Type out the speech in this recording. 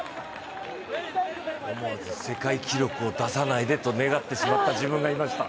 世界記録を出さないでと願ってしまった自分がいました。